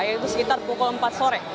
yaitu sekitar pukul empat sore